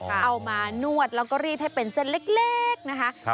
เอามานวดแล้วก็รีดให้เป็นเส้นเล็กนะคะ